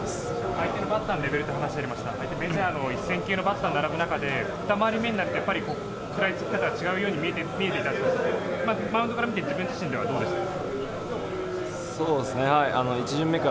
相手のバッターのレベルという話がありました、一線級のバッターが並ぶ中で、２巡り目になると食らいつき方が違うと思うんですけど、マウンドから見て自分自身ではどうでしたか？